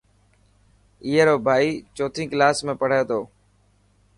اي رو ڀائي چوٿي ڪلاس ۾ پهري تو.